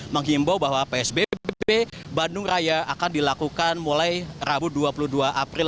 menghimbau bahwa psbb bandung raya akan dilakukan mulai rabu dua puluh dua april